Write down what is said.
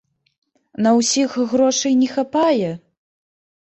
На ўсіх грошай не хапае?